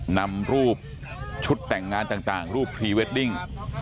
นำรูปชุดแต่งงานต่างรูปพรีเวดดิ้ง